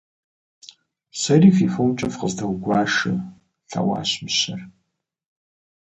- Сэри фи фомкӀэ фыкъыздэгуашэ! – лъэӀуащ мыщэр.